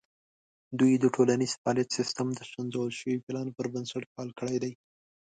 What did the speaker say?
دوی د ټولنیز فعالیت سیستم د سنجول شوي پلان پر بنسټ فعال کړی دی.